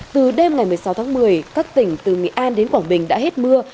từ đêm ngày một mươi sáu tháng một mươi các tỉnh từ nghệ an đến quảng bình đã hết mưa